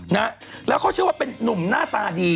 นะแล้วเขาเชื่อว่าเป็นนุ่มหน้าตาดี